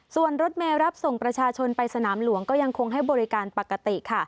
ส่วนรถเมลรับส่งประชาชนไปสนามหลวงก็ยังคงให้บริการปกติค่ะ